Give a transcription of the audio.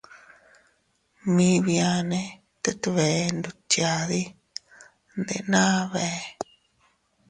Mii biane tet bee ndutyadi, ndenna bee.